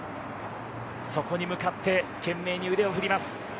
そこに向かって懸命に腕を振ります。